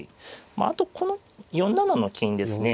まああとこの４七の金ですね。